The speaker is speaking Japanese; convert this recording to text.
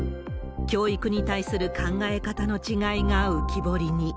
教育に対する考え方の違いが浮き彫りに。